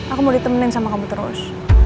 aku mau ditemenin sama kamu terus